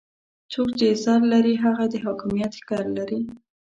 څوک چې زر لري هغه د حاکميت ښکر لري.